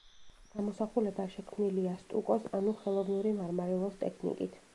გამოსახულება შექმნილია სტუკოს, ანუ ხელოვნური მარმარილოს ტექნიკით.